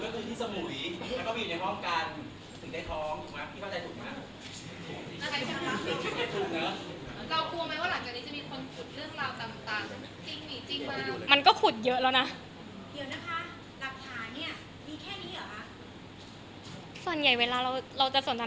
เราจะรู้ได้ยังไงว่าอันนี้เป็นของจ่ายจริงละ